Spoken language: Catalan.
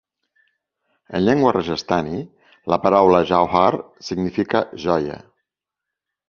En llengua rajasthani, la paraula "jauhar" significa "joia".